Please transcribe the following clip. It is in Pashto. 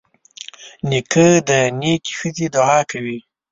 نیکه د نیکې ښځې دعا کوي.